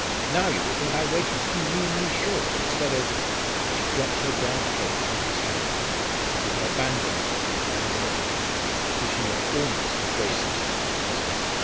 Now you will think I waited to be meanly sure, instead of " She dropped her dark head upon his hand again with an abandonment which unnerved him, which he had almost to brace himself against.